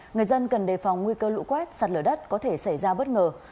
người dân cần đề phòng nguy cơ lũ quét sạt lở đất có thể xảy ra bất ngờ